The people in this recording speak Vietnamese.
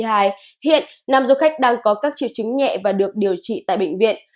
hiện nam du khách đang có các triệu chứng nhẹ và được điều trị tại bệnh viện